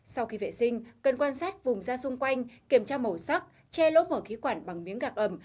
sau khi vệ sinh cần quan sát vùng ra xung quanh kiểm tra màu sắc che lốp mở khí quản bằng miếng gạc ẩm